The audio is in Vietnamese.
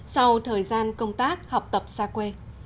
sau thời gian công tác học tập xa quê